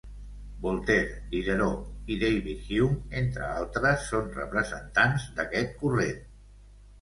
Voltaire, Diderot i David Hume, entre altres, són representants d'aquest corrent.